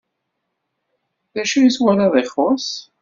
D acu i twalaḍ ixuṣṣ?